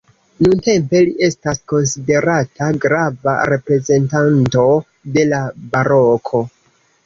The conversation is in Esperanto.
Nuntempe li estas konsiderata grava reprezentanto de la Baroko.